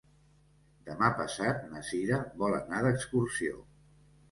Demà passat na Sira vol anar d'excursió.